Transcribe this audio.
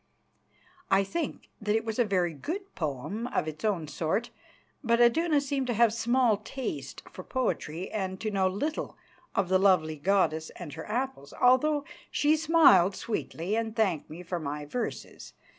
I think that it was a very good poem of its own sort, but Iduna seemed to have small taste for poetry and to know little of the lovely goddess and her apples, although she smiled sweetly and thanked me for my verses.